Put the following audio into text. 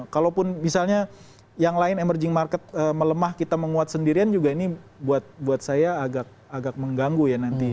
kalaupun misalnya yang lain emerging market melemah kita menguat sendirian juga ini buat saya agak mengganggu ya nanti